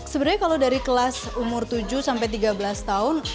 sebenarnya kalau dari kelas umur tujuh sampai tiga belas tahun